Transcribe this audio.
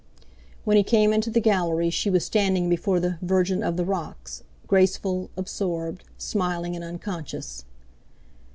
When he came into the Gallery she was standing before the "Virgin of the Rocks," graceful, absorbed, smiling and unconscious.